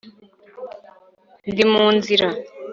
ndi munzira